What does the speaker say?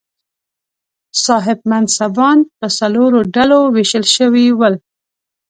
صاحب منصبان پر څلورو ډلو وېشل شوي ول.